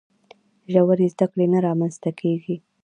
ژورې زده کړې نه رامنځته کیږي.